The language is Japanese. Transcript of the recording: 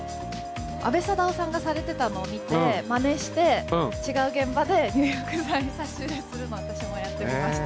阿部サダヲさんがされてたのを見て、まねして、違う現場で、入浴剤を差し入れするの、私もやってみました。